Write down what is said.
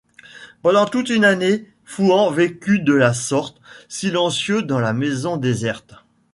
Pendant toute une année, Fouan vécut de la sorte, silencieux dans la maison déserte.